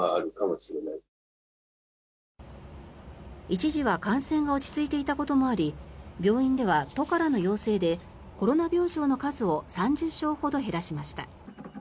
一時は感染が落ち着いていたこともあり病院では都からの要請でコロナ病床の数を３０床ほど減らしました。